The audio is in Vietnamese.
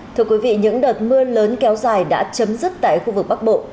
thưa quý vị những đợt mưa lớn kéo dài đã chấm dứt tại khu vực bắc bộ